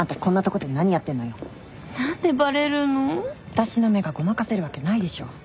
私の目がごまかせるわけないでしょ。